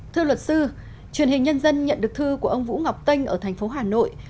thưa luật sư truyền hình nhân dân nhận được thư của ông vũ ngọc tinh ở thành phố hà nội